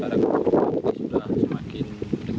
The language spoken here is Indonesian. jadi saat ini sudah sangat sangat berbayangan